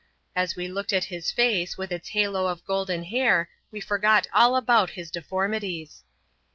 As we looked at his face with its halo of golden hair we forgot all about his deformities.